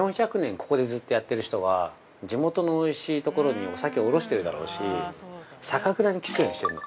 ここでずっとやってる人は地元のおいしいところにお酒おろしてるだろうし酒蔵に聞くようにしてるの。